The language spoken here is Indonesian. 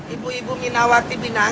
ibu ibu minawati binanggi